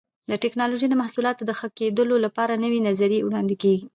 د ټېکنالوجۍ د محصولاتو د ښه کېدلو لپاره نوې نظریې وړاندې کېږي.